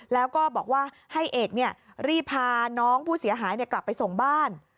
แล้วก็บอกว่าให้เอกรีบพาน้องผู้เสียหายกลับไปส่งบ้าน